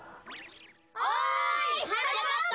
・おいはなかっぱ！